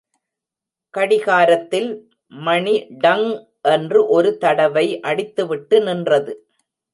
கடிகாரத்தில் மணி டங் என்று ஒரு தடவை அடித்துவிட்டு நின்றது.